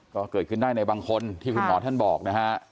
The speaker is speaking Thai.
ก็เกิดขึ้นได้ในบางคนที่คุณหมอท่านบอกนะฮะ